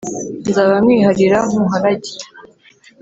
nzaba nkwiharira nguharage